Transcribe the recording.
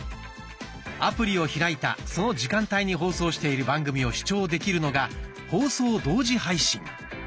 アプリを開いたその時間帯に放送している番組を視聴できるのが「放送同時配信」。